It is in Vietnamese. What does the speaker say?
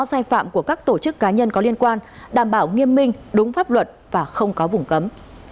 sai phạm của các tổ chức cá nhân có liên quan đảm bảo nghiêm minh đúng pháp luật và không có vùng cấm